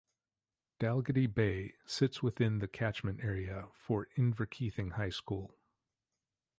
Dalgety Bay sits within the catchment area for Inverkeithing High School.